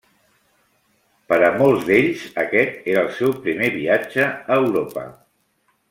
Per a molts d'ells aquest era el seu primer viatge a Europa.